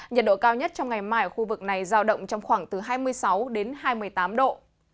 nhiệt độ cao nhất trong ngày mai ở khu vực này giao động trong khoảng từ hai mươi sáu đến hai mươi tám độ